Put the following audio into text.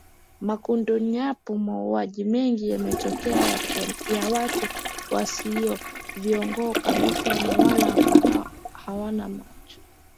mekunduyapo mauaji mengi yametokea ya watu wasio vikongwe kabisa na wala hawana macho